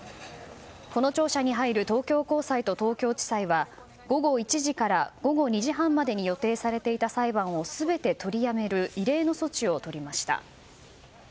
この庁舎に入る東京高裁と東京地裁は午後１時から午後２時半までに予定されていた裁判を全て取りやめる異例の措置をとりました。